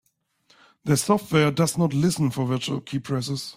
Their software does not listen for virtual keypresses.